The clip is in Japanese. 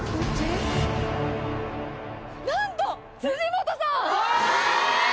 なんと辻元さん！